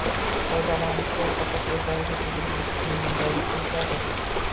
Foydalanuvchilar faqat o’zlariga tegishli qismga egalik qilishadi